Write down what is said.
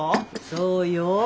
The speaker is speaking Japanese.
そうよ。